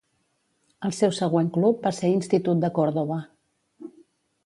El seu següent club va ser Institut de Córdoba.